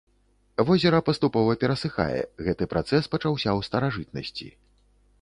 Возера паступова перасыхае, гэты працэс пачаўся ў старажытнасці.